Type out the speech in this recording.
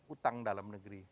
utang dalam negeri